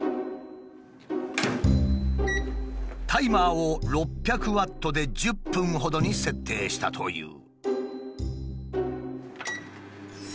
タイマーを６００ワットで１０分ほどに設定したという。